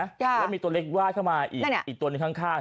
และมีตัวเล็กไหว้อีกตัวหนึ่งข้าง